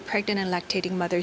terutama di negara seperti indonesia